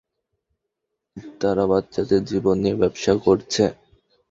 তারা বাচ্চাদের জীবন নিয়ে ব্যাবসা করছে।